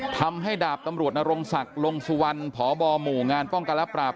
ทำให้ดาบตำรวจนรงศักดิ์ลงสุวรรณพบหมู่งานป้องกันและปราบ